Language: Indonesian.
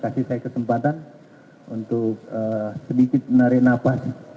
kasih saya kesempatan untuk sedikit menarik nafas